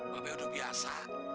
bape udah biasa